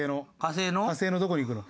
火星のどこに行くの？